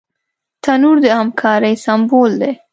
تنور د همکارۍ سمبول دی